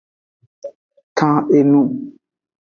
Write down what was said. Kan enu.